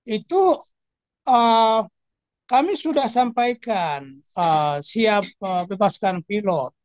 itu kami sudah sampaikan siap bebaskan pilot